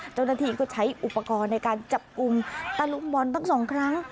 จนทีก็ใช้อุปกรณ์ในการจับกุมตารุมบอลตั้งสองครั้ง